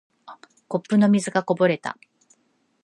コップの水がこぼれた。